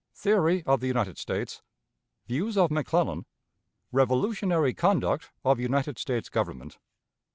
Theory of the United States. Views of McClellan. Revolutionary Conduct of United States Government.